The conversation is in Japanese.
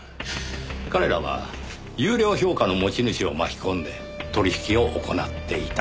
彼らは優良評価の持ち主を巻き込んで取引を行っていた。